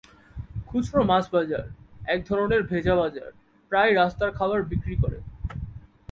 খুচরো মাছ বাজার, এক ধরনের ভেজা বাজার, প্রায়ই রাস্তার খাবার বিক্রি করে।